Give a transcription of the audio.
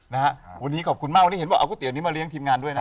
นะฮะวันนี้ขอบคุณมากวันนี้เห็นว่าเอาก๋วนี้มาเลี้ยทีมงานด้วยนะ